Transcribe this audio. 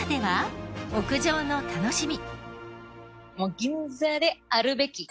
もう銀座であるべき。